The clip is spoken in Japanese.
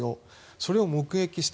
それを目撃した。